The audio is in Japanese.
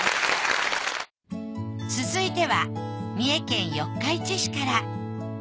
続いては三重県四日市市から。